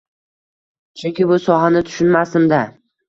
Chunki bu sohani tushunmasdim-da.